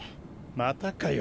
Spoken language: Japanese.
またかよ